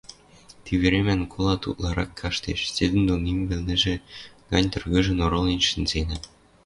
Ти веремӓн колат утларак каштеш, седӹндон им вӹлнӹшӹ гань тыргыжын оролен шӹнзенӓ.